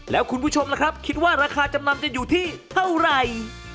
แล้วคุณผู้ชมล่ะครับคิดว่าราคาจำนำจะอยู่ที่เท่าไหร่